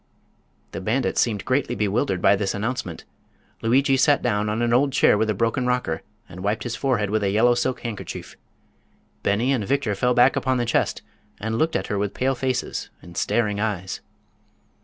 The bandits seemed greatly bewildered by this announcement. Lugui sat down on an old chair with a broken rocker and wiped his forehead with a yellow silk handkerchief. Beni and Victor fell back upon the chest and looked at her with pale faces and staring eyes.